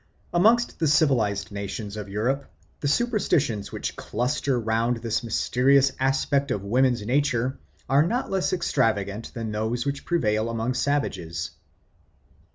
Amongst the civilised nations of Europe the superstitions which cluster round this mysterious aspect of woman's nature are not less extravagant than those which prevail among savages.